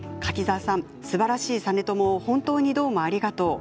柿澤さん、すばらしい実朝を本当にどうもありがとう。